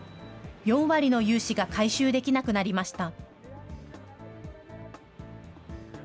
４割の融資が回収できなくなりました。